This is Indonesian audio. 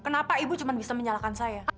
kenapa ibu cuma bisa menyalahkan saya